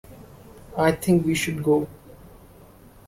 I think we should go.